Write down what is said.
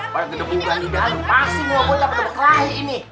pasti gua boleh dapet dapet lahir ini